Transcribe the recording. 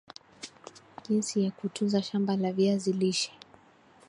jinsi ya kutunza shamba la viazi lishe